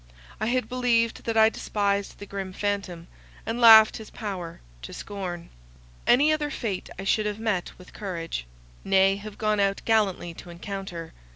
I had believed that I despised the grim phantom, and laughed his power to scorn. Any other fate I should have met with courage, nay, have gone out gallantly to encounter.